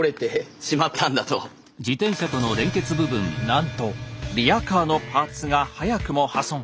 なんとリヤカーのパーツが早くも破損。